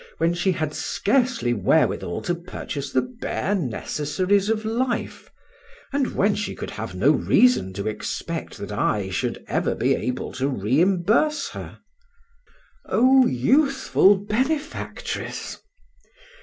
—when she had scarcely wherewithal to purchase the bare necessaries of life, and when she could have no reason to expect that I should ever be able to reimburse her. Oh, youthful benefactress!